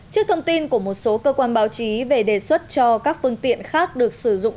trước thông tin của một số cơ quan báo chí về đề xuất cho các phương tiện khác được sử dụng